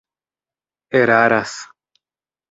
eraras